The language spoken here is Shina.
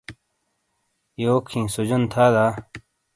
یوک ھی، سوجون تھا دا